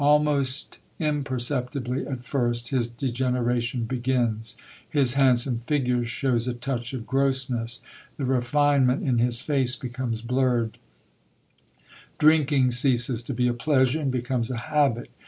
Almost imperceptibly at first his degeneration begins; his handsome figure shows a touch of grossness; the refinement in his face becomes blurred; drinking ceases to be a pleasure, and becomes a habit.